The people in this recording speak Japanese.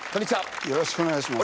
よろしくお願いします。